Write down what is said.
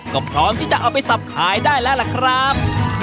ก็พร้อมที่จะเอาไปสับขายได้แล้วล่ะครับ